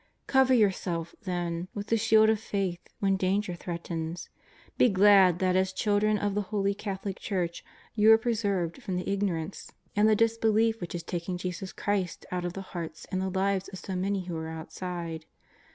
Cover yourselves, then, with the sliield of faith when danger threatens. Be glad that as children of the Holy Catholic Church you are preserved from the ignorance ♦ Ephes. 6. JESUS OF NAZARETH. 401 and the disbelief which is taking Jesus Christ out of the hearts and the lives of so many who are outside.